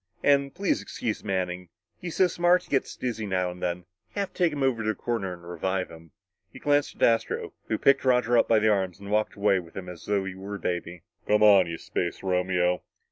"And please excuse Manning. He's so smart, he gets a little dizzy now and then. Have to take him over to a corner and revive him." He glanced at Astro, who picked Roger up in his arms and walked away with him as though he were a baby. "Come on, you space Romeo!"